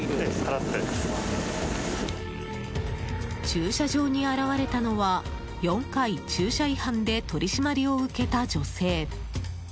駐車場に現れたのは４回、駐車違反で取り締まりを受けた女性。